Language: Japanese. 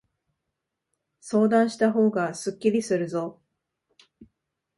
相談したほうがすっきりするぞ。